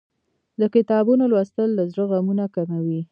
د کتابونو لوستل له زړه غمونه کموي.